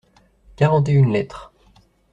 Quarante et une lettres.